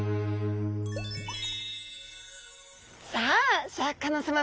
さあシャーク香音さま